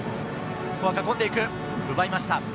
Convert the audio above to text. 奪いました。